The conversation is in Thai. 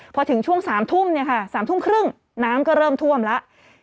พอถึงช่วง๓ทุ่มเนี่ยค่ะ๓ทุ่มครึ่งน้ำก็เริ่มท่วมแล้ว